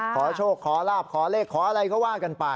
ขอโชคขอลาบขอเลขขออะไรก็ว่ากันไป